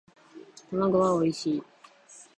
卵はおいしい